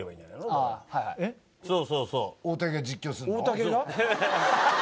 大竹が実況するの？